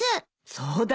そうだね。